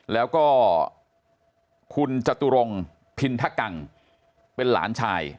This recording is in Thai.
แล้วก็คุณจตุรงพินทะกังเป็นหลานชาย